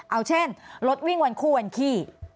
เอาเช่นรถวิ่งวันคู่วันขี้